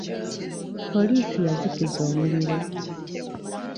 Poliisi yazikiza omuliro.